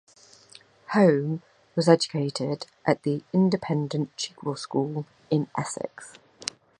Holm was educated at the independent Chigwell School in Essex.